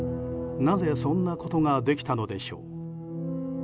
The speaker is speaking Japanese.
なぜ、そんなことができたのでしょう。